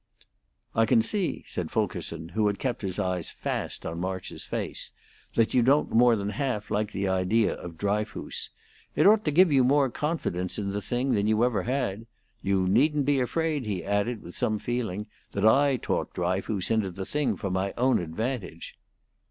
"I can see," said Fulkerson, who had kept his eyes fast on March's face, "that you don't more than half like the idea of Dryfoos. It ought to give you more confidence in the thing than you ever had. You needn't be afraid," he added, with some feeling, "that I talked Dryfoos into the thing for my own advantage."